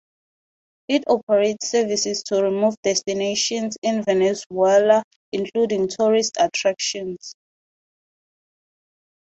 It operates services to remote destinations in Venezuela, including tourist attractions.